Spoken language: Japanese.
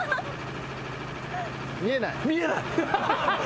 見えない？